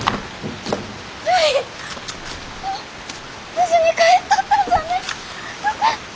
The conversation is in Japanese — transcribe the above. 無事に帰っとったんじゃね！よかった！